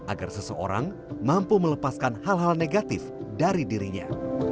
agar seseorang mampu melepaskan hal hal negatif dari dirinya